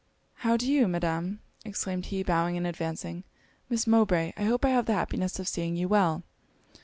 'How do you, Madam?' exclaimed he, bowing and advancing 'Miss Mowbray, I hope I have the happiness of seeing you well.'